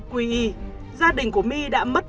quy y gia đình của my đã mất